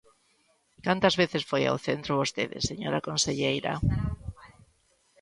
¿Cantas veces foi ao centro vostede, señora conselleira?